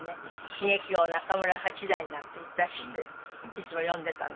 喜劇王・中村八大なんて言ったりしていつも呼んでたね。